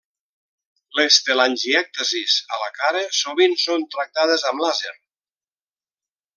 Les telangièctasis a la cara sovint són tractades amb làser.